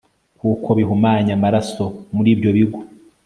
kuko bihumanya amaraso Muri ibyo bigo